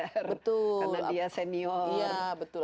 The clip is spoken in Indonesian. karena dia senior